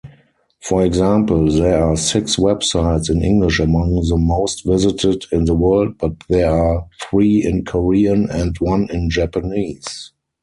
For example: there are six websites in English among the most visited in the world, but there are three in Korean and one in Japanese.